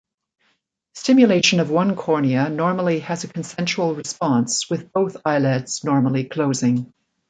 Stimulation of one cornea normally has a consensual response, with both eyelids normally closing.